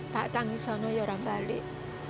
tak tangis orang balik